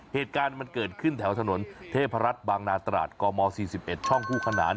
เหตุการณ์มันเกิดขึ้นแถวถนนเทพรัฐบางนาตราดกม๔๑ช่องคู่ขนาน